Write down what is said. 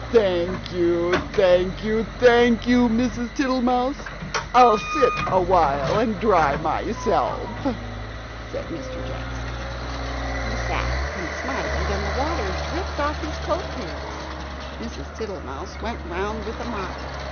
"Thank you, thank you, thank you, Mrs. Tittlemouse! I'll sit awhile and dry myself," said Mr. Jackson. He sat and smiled, and the water dripped off his coat tails. Mrs. Tittlemouse went round with a mop.